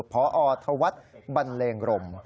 พอธวัฒน์บันเลงรม